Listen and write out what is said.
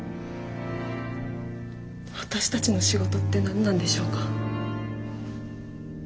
私たちの仕事って何なんでしょうか。